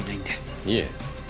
いえ。